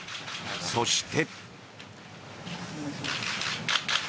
そして。